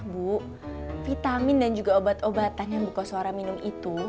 bu vitamin dan juga obat obatan yang buka suara minum itu